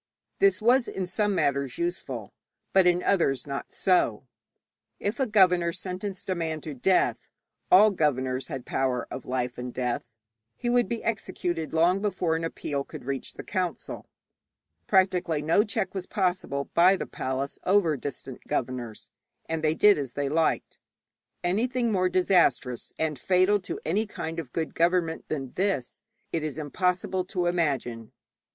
This was in some matters useful, but in others not so. If a governor sentenced a man to death all governors had power of life and death he would be executed long before an appeal could reach the council. Practically no check was possible by the palace over distant governors, and they did as they liked. Anything more disastrous and fatal to any kind of good government than this it is impossible to imagine.